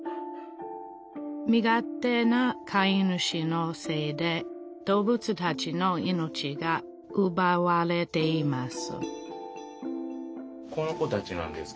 身勝手な飼い主のせいで動物たちの命がうばわれています